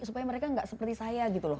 supaya mereka nggak seperti saya gitu loh